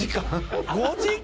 「５時間！？」